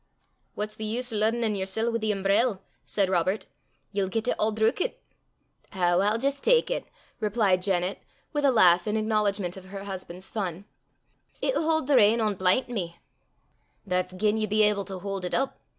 "What's the eese o' lo'denin' yersel' wi' the umbrell?" said Robert. "Ye'll get it a' drookit (drenched)." "Ow, I'll jist tak it," replied Janet, with a laugh in acknowledgment of her husband's fun; "it'll haud the rain ohn blin't me." "That's gien ye be able to haud it up.